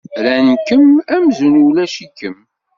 Rran-kem amzun ulac-ikem.